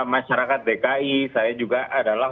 masyarakat dki saya juga adalah